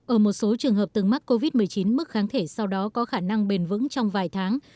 ở một số trường hợp từng mắc covid một mươi chín mức kháng thể sau đó có khả năng bền vững trong vài tháng